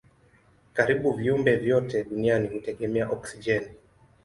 Karibu viumbe vyote duniani hutegemea oksijeni.